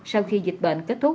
sau khi dịch bệnh kết thúc